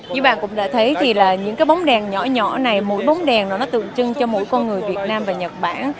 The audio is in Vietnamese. như bạn cũng đã thấy thì là những cái bóng đèn nhỏ nhỏ này mỗi bóng đèn nó tượng trưng cho mỗi con người việt nam và nhật bản